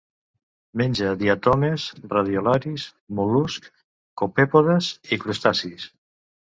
Menja diatomees, radiolaris, mol·luscs, copèpodes i crustacis.